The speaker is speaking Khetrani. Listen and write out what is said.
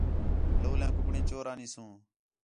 لَولیاں کُکڑیں چور آ نی سوں